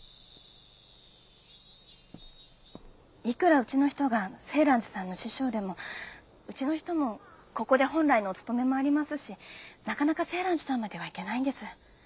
いくらうちの人が静嵐寺さんの師匠でもうちの人もここで本来のお勤めもありますしなかなか静嵐寺さんまでは行けないんです。